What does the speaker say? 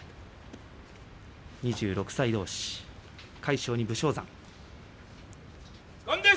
２６歳どうし、魁勝に武将山です。